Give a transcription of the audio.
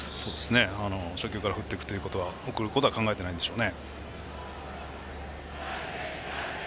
初球から振っていくということは送ることは考えてないんでしょう。